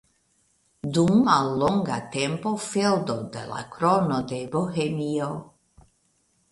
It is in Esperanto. Dum mallonga tempo feŭdo de la Krono de Bohemio.